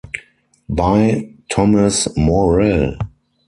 By Thomas Morell.